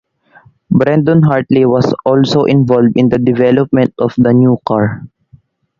Brendon Hartley was also involved in the development of the new car.